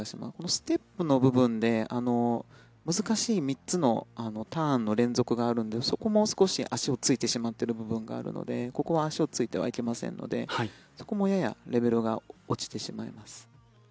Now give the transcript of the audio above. ステップのところで難しい３つのターンの連続があるのでそこも足をついている部分があるのでここは足をついてはいけないのでレベルがやや落ちてしまいます。